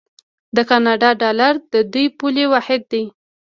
د کاناډا ډالر د دوی پولي واحد دی.